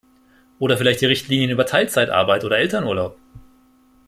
Oder vielleicht die Richtlinien über Teilzeitarbeit oder Elternurlaub?